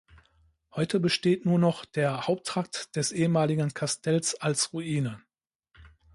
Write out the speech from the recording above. Heute besteht nur noch der Haupttrakt des ehemaligen Kastells als Ruine.